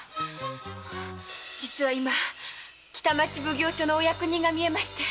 実は今しがた北町奉行所のお役人がみえまして。